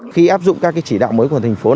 khi áp dụng các chỉ đạo mới của thành phố